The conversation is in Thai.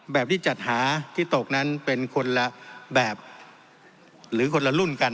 แบบที่จัดหาที่ตกนั้นเป็นคนละแบบหรือคนละรุ่นกัน